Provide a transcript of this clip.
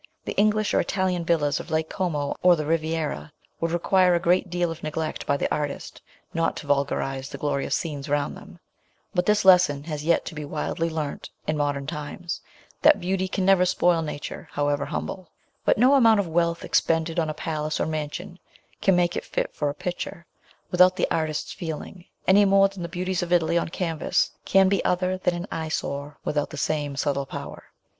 The English or Italian villas of Lake Como, or the Riviera, would require a great deal of neglect by the artist not to vulgarize the glorious scenes round them ; but this lesson has yet to be widely learnt in modern times, that beauty can never spoil nature, however humble ; but no amount of wealth expended on a palace or mansion can make it fit for a picture, without the artist's feeling, any more than the beauties of Italy on canvas can be other than an eyesore without the same subtle power.